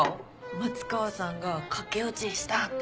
松川さんが駆け落ちしたって。